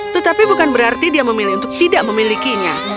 tetapi bukan berarti dia memilih untuk tidak memilikinya